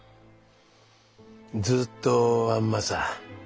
ずっとあんまさ。